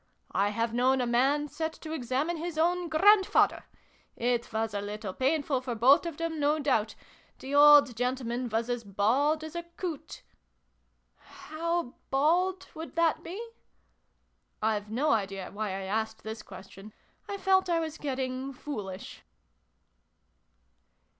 I have known a man set to examine his own grandfather. It was a little painful for both of them, no doubt. The old gentleman was as bald as a coot " How bald would that be?" I've no idea why I asked this question. I felt I was getting foolish.